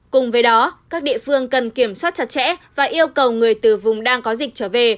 cùng với đó các địa phương cần kiểm soát chặt chẽ và yêu cầu người từ vùng đang có dịch trở về